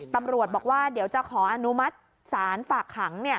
ตำรวจบอกว่าเดี๋ยวจะขออนุมัติศาลฝากขัง